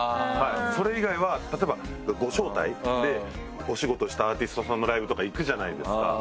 それ以外は例えばご招待でお仕事したアーティストさんのライブとか行くじゃないですか。